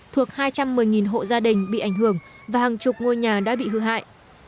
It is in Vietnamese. thuộc hai trăm một mươi hộ gia đình bị ảnh hưởng và hàng chục ngôi nhà đã bị hư hại